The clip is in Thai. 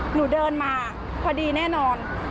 หนูเดินมาพอดีแน่นอน